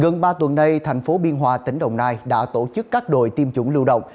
gần ba tuần nay thành phố biên hòa tỉnh đồng nai đã tổ chức các đội tiêm chủng lưu động